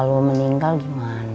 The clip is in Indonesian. kalau bapak lu meninggal gimana